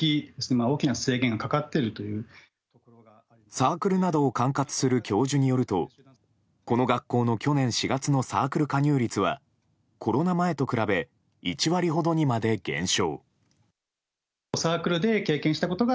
サークルなどを管轄する教授によるとこの学校の去年４月のサークル加入率はコロナ前と比べ１割ほどにまで減少。